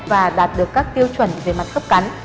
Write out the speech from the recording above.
và đạt được các tiêu chuẩn về mặt cấp cắn